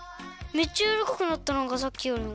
めっちゃやわらかくなったなんかさっきよりも。